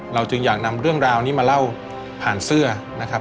จึงอยากนำเรื่องราวนี้มาเล่าผ่านเสื้อนะครับ